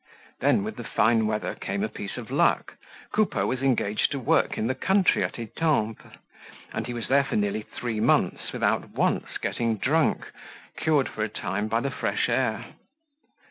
Then with the fine weather came a piece of luck, Coupeau was engaged to work in the country at Etampes; and he was there for nearly three months without once getting drunk, cured for a time by the fresh air.